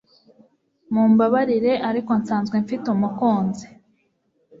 Mumbabarire, ariko nsanzwe mfite umukunzi. (